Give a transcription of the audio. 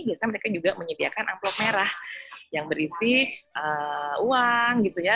biasanya mereka juga menyediakan amplop merah yang berisi uang gitu ya